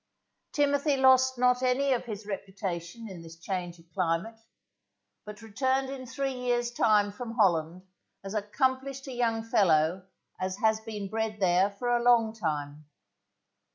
Timothy lost not any of his reputation in this change of climate, but returned in three years time from Holland as accomplished a young fellow as had been bred there for a long time.